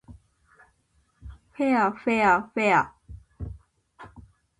ふぇあふぇわふぇわ